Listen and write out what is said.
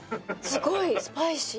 すごいスパイシー。